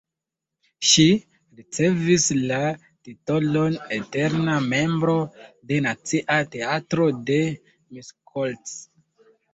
Ŝi ricevis la titolon eterna membro de Nacia Teatro de Miskolc.